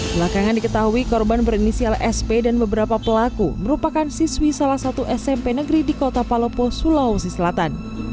belakangan diketahui korban berinisial sp dan beberapa pelaku merupakan siswi salah satu smp negeri di kota palopo sulawesi selatan